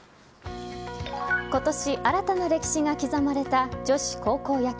今年、新たな歴史が刻まれた女子高校野球。